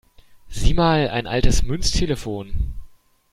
Sieh mal, ein altes Münztelefon!